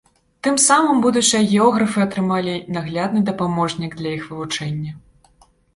Тым самым будучыя географы атрымалі наглядны дапаможнік для іх вывучэння.